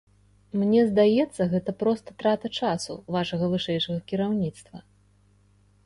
Мне здаецца, гэта проста трата часу вашага вышэйшага кіраўніцтва.